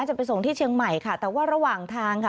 จะไปส่งที่เชียงใหม่ค่ะแต่ว่าระหว่างทางค่ะ